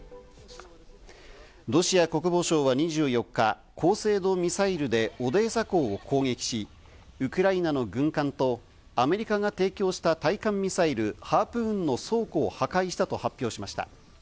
ロシア国防省は２４日、高精度ミサイルでオデーサ港を攻撃し、ウクライナの軍艦とアメリカが提供した対艦ミサイル・ハープーンの倉庫を破壊したと発表しました。